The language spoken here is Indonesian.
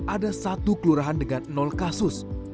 ada satu kelurahan dengan kasus